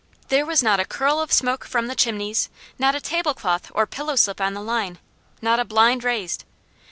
There was not a curl of smoke from the chimneys, not a tablecloth or pillowslip on the line, not a blind raised.